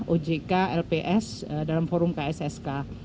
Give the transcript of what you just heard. ojk lps dalam forum kssk